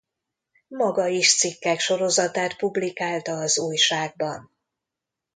Maga is cikkek sorozatát publikálta az újságban.